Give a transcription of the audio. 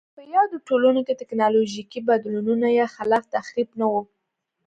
په یادو ټولنو کې ټکنالوژیکي بدلونونه یا خلاق تخریب نه و